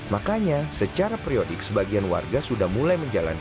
makanya secara periodik sebagian warga sudah mulai menjalankan